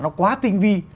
nó quá tinh vi